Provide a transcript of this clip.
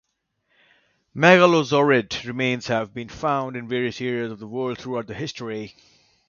Megalosaurid remains have been found in various areas of the world throughout history.